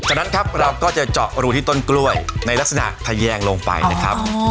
ฉะนั้นครับเราก็จะเจาะรูที่ต้นกล้วยในลักษณะทะแยงลงไปนะครับ